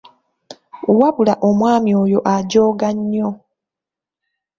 Wabula omwami oyo ajooga nnyo.